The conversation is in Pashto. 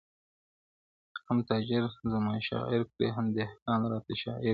• هم تاجر زما شاعر کړې هم دهقان راته شاعر کړې..